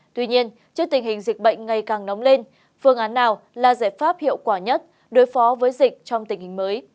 tuy nhiên trước tình hình dịch bệnh ngày càng nóng lên phương án nào là giải pháp hiệu quả nhất đối phó với dịch trong tình hình mới